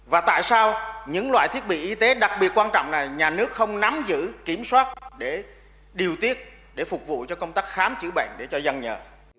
và tại sao những loại thiết bị y tế đặc biệt quan trọng này nhà nước không nắm giữ kiểm soát để điều tiết để phục vụ cho công tác khám chữa bệnh để cho dân nhờ